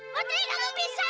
putri kamu bisa